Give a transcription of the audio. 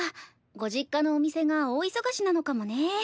ご実家のお店が大忙しなのかもね。